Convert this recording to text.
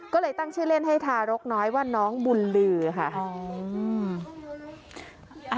ก็เลยตั้งชื่อเล่นให้ทารกน้อยว่าน้องบุญลือค่ะ